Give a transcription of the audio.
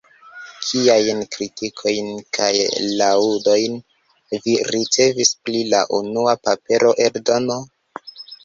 Kiajn kritikojn kaj laŭdojn vi ricevis pri la unua papera eldono?